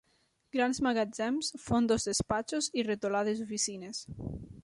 Grans magatzems, fondos despatxos i retolades oficines